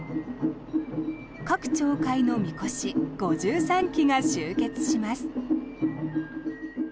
各町会のみこし５３基が集結します。